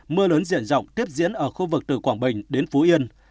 mưa lớn diện rộng tiếp diễn ở khu vực từ quảng bình đến phú yên